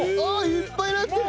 いっぱいなってる！